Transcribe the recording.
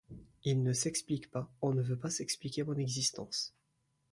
Il ne s’explique pas, ou ne veut pas s’expliquer mon existence.